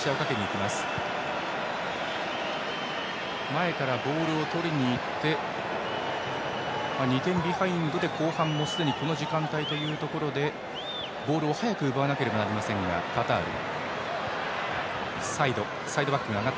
前からボールをとりにいって２点ビハインドで後半もうすでにこの時間帯というところでボールを早く奪わなければなりませんカタール。